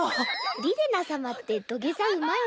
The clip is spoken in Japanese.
リレナ様って土下座うまいね。